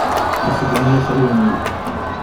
Afgem ay afriwen-iw.